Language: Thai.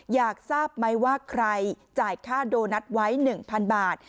อยากทราบไหมว่าใครจ่ายค่าโดนัทไว้๑๐๐๐บาท